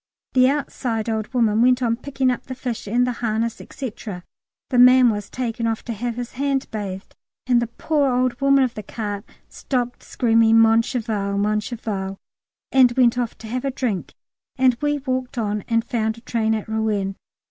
The outside old woman went on picking up the fish and the harness, &c., the man was taken off to have his hand bathed, and the poor old woman of the cart stopped screaming "Mon cheval, mon cheval," and went off to have a drink, and we walked on and found a train at Rouen.